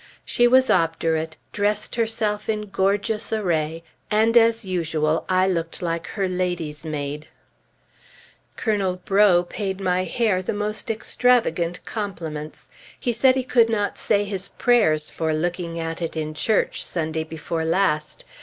She was obdurate; dressed herself in gorgeous array, and, as usual, I looked like her lady's maid. Colonel Breaux paid my hair the most extravagant compliments. He said he could not say his prayers for looking at it in church, Sunday before last.